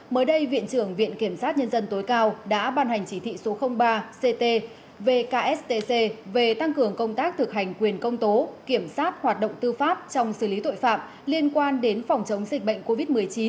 mới đây viện trưởng viện kiểm sát nhân dân tối cao đã ban hành chỉ thị số ba ct vkst về tăng cường công tác thực hành quyền công tố kiểm soát hoạt động tư pháp trong xử lý tội phạm liên quan đến phòng chống dịch bệnh covid một mươi chín